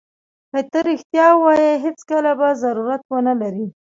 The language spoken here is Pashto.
که ته رښتیا ووایې هېڅکله به ضرورت ونه لرې.